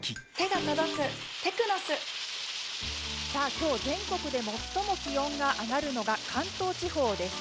今日、全国で最も気温が上がるのが関東地方です。